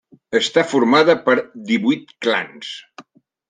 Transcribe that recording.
Està formada per divuit clans.